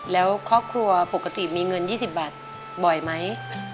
แล้วครอบครัวปกติมีเงิน๒๐บาทบ่อยไหม